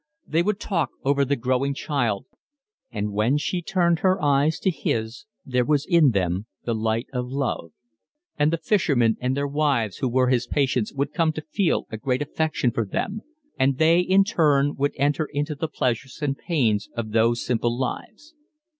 They would talk over the growing child, and when she turned her eyes to his there was in them the light of love. And the fishermen and their wives who were his patients would come to feel a great affection for them, and they in their turn would enter into the pleasures and pains of those simple lives.